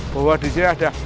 bahwa disini ada